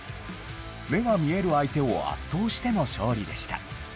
目が見える相手を圧倒しての勝利でした。